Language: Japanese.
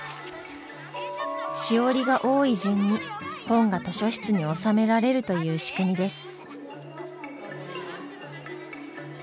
しおりが多い順に本が図書室に納められるという仕組みです。